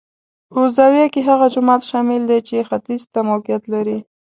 په زاویه کې هغه جومات شامل دی چې ختیځ ته موقعیت لري.